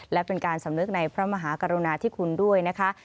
และเป็นการสำนึกในพระมหากรุณาที่คุณด้วยนะคะ